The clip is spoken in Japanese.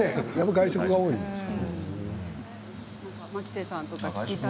外食が多いんですかね。